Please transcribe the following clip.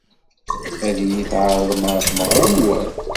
Ad iyi-d-tɛerḍem ɣer tmeɣra-nwen?